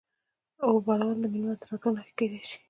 اور بلول د میلمه د راتلو نښه کیدی شي.